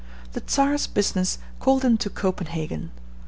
The Czar's business called him to Copenhagen.